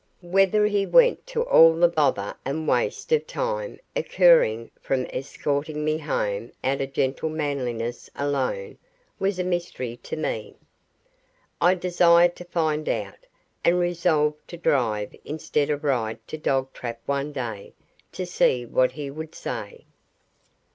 Whether he went to all the bother and waste of time accruing from escorting me home out of gentlemanliness alone, was a mystery to me. I desired to find out, and resolved to drive instead of ride to Dogtrap one day to see what he would say.